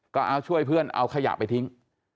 ก็เอาช่วยเพื่อนเอาขยะไปทิ้ง